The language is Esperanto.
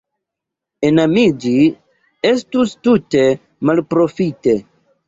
Enamiĝi estus tute malprofite.